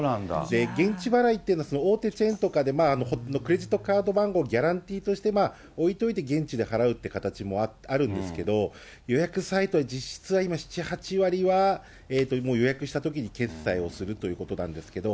現地払いっていうのは、大手チェーンとかで、クレジットカード番号、ギャランティーとして置いといて現地で払うっていう形もあるんですけど、予約サイト、実質は今、７、８割は、もう予約したときに決済をするということなんですけど。